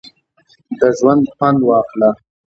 د ژونده خوند واخله!